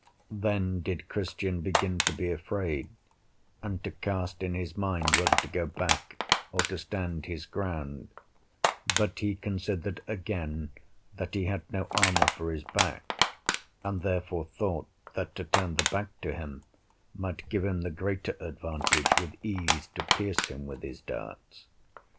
Then did Christian begin to be afraid, and to cast in his mind whether to go back or to stand his ground: But he considered again that he had no armor for his back, and therefore thought that to turn the back to him might give him the greater advantage with ease to pierce him with his darts.